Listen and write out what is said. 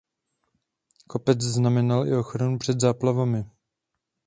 Kopec znamenal i ochranu před záplavami.